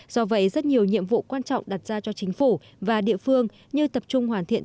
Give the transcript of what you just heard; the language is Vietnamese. do vậy rất nhiều nhiệm vụ quan trọng đặt ra cho chính phủ và địa phương như tập trung hoàn thiện